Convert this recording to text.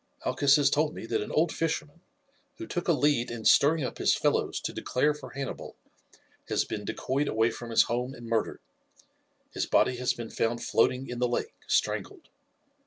Malchus has told me that an old fisherman, who took a lead in stirring up his fellows to declare for Hannibal, has been decoyed away from his home and murdered; his body has been found floating in the lake, strangled.